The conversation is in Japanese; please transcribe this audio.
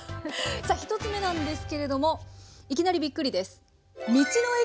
さあ１つ目なんですけれどもいきなりびっくりです。